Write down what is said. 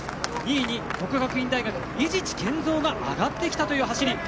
２位に國學院大學、伊地知賢造が上がってきたという走り。